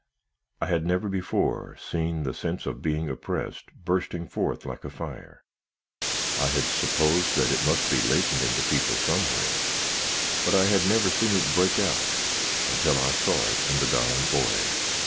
"I had never before seen the sense of being oppressed, bursting forth like a fire. I had supposed that it must be latent in the people somewhere; but, I had never seen it break out, until I saw it in the dying boy.